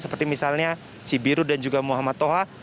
seperti misalnya cibiru dan juga muhammad toha